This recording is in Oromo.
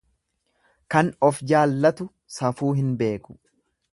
Kan of jaallatu safuu hin beeku.